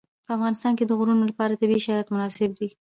په افغانستان کې د غرونه لپاره طبیعي شرایط مناسب دي.